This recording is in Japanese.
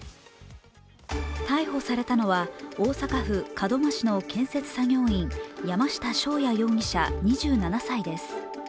逮捕されたのは大阪府門真市の建設作業員、山下翔也容疑者２７歳です。